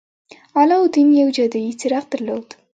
علاوالدين يو جادويي څراغ درلود.